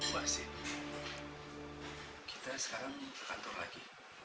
mbak asy kita sekarang di kantor lagi